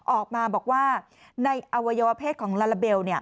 ออกมาบอกว่าในอวัยวะเพศของลาลาเบล